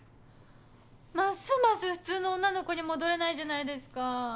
ますます普通の女の子に戻れないじゃないですか。